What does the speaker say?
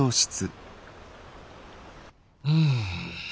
うん。